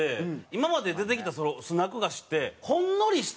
今まで出てきたスナック菓子って。